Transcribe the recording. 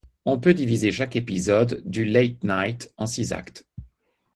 On peut diviser chaque épisode du Late Night en six actes.